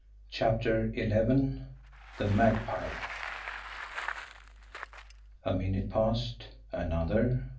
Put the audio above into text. CHAPTER XI THE MAGPIE A minute passed another.